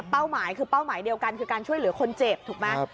หมายคือเป้าหมายเดียวกันคือการช่วยเหลือคนเจ็บถูกไหม